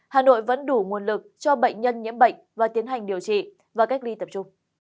hà nội vẫn đủ nguồn lực cho bệnh nhân nhiễm bệnh và tiến hành điều trị và cách ly tập trung